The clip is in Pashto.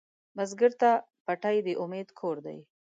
بزګر ته پټی د امید کور دی